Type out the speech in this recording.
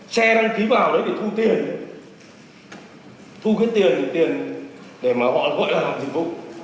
xe đăng ký vào đấy để thu tiền thu cái tiền để mà họ gọi là hợp tác xã dịch vụ